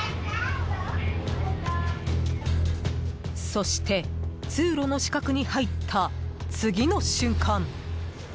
そして、通路の死角に入った次の瞬間。